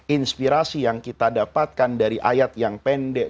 inspirasi yang kita dapatkan dari ayat yang pendek